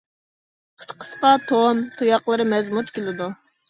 پۇتى قىسقا، توم، تۇياقلىرى مەزمۇت كېلىدۇ.